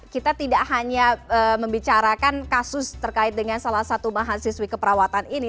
kita tidak hanya membicarakan kasus terkait dengan salah satu mahasiswi keperawatan ini